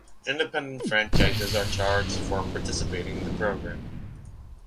Independent franchises are charged for participating in the program.